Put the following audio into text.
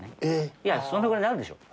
いやそのぐらいなるでしょ。